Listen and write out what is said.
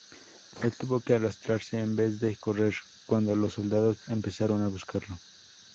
Él tuvo que arrastrarse en vez de correr cuando los soldados empezaron a buscarlo.